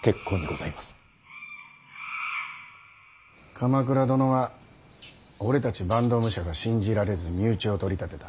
鎌倉殿は俺たち坂東武者が信じられず身内を取り立てた。